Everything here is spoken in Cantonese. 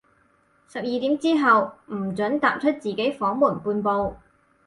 十二點之後，唔准踏出自己房門半步